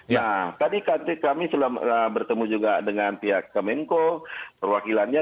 nah tadi kami sudah bertemu juga dengan pihak kemenko perwakilannya